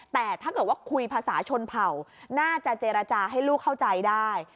แต่ถ้าเกิดว่าคุยภาษาชนเผ่าน่าจะเจรจาให้ลูกเข้าใจได้